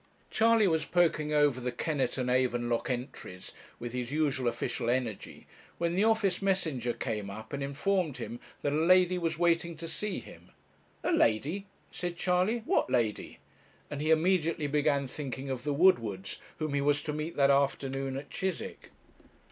Charley was poking over the Kennett and Avon lock entries, with his usual official energy, when the office messenger came up and informed him that a lady was waiting to see him. 'A lady!' said Charley: 'what lady?' and he immediately began thinking of the Woodwards, whom he was to meet that afternoon at Chiswick.